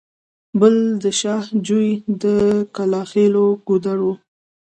بل د شاه جوی د کلاخېلو ګودر و.